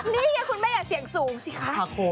นี่คุณแม่อย่าเสียงสูงสิคะ